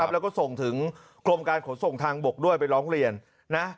แล้วก็ส่งถึงกรมการขนส่งทางบกด้วยไปร้องเรียนนะ